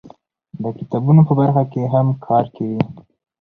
د کتابونو په برخه کې هم کار کوي.